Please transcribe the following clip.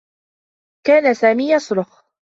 كان سامي يصرخ.